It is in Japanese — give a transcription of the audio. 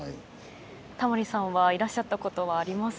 タモリさんはいらっしゃったことはありますか？